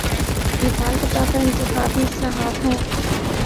مثال کے طور پر انتخابی اصلاحات ہیں۔